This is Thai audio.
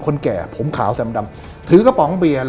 แก่ผมขาวแซมดำถือกระป๋องเบียร์